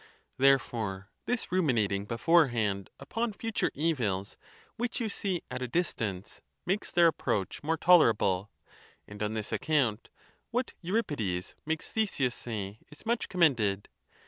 Therefore, this raminating beforehand upon fut ure evils which you see at a distance makes their approach 104 THE TUSCULAN DISPUTATIONS. more tolerable; and on this account what Euripides makes 'Theseus say is much commended.